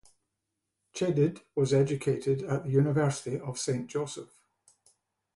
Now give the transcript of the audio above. Chedid was educated at the University of Saint Joseph.